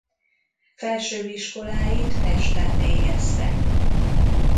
Felsőbb iskoláit Pesten végezte.